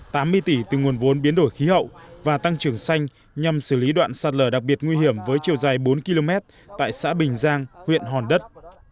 tám mươi tỷ từ nguồn vốn biến đổi khí hậu và tăng trưởng xanh nhằm xử lý đoạn sạt lở đặc biệt nguy hiểm với chiều dài bốn km tại xã bình giang huyện hòn đất